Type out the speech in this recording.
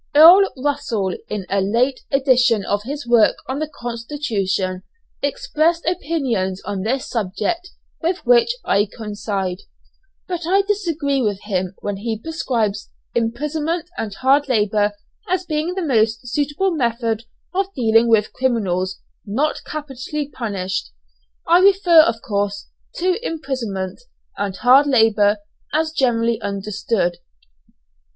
Earl Russell, in a late edition of his work on the constitution, expresses opinions on this subject with which I coincide, but I disagree with him when he prescribes imprisonment and hard labour as being the most suitable method of dealing with criminals not capitally punished; I refer, of course, to imprisonment and hard labour as generally understood.